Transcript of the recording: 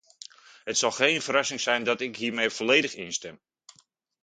Het zal geen verrassing zijn dat ik hiermee volledig instem.